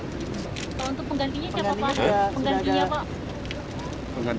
untuk penggantinya siapa pak